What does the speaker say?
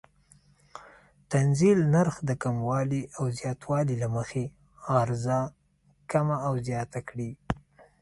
د تنزیل نرخ د کموالي او زیاتوالي له مخې عرضه کمه او زیاته کړي.